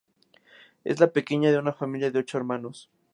Es la pequeña de una familia de ocho hermanos.